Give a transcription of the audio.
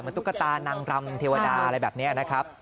ตุ๊กตานางรำเทวดาอะไรแบบนี้นะครับ